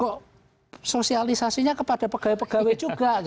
kok sosialisasinya kepada pegawai pegawai juga